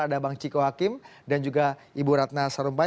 ada bang ciko hakim dan juga ibu ratna sarumpait